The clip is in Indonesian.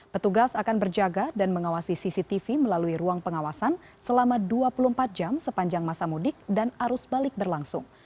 petugas akan berjaga dan mengawasi cctv melalui ruang pengawasan selama dua puluh empat jam sepanjang masa mudik dan arus balik berlangsung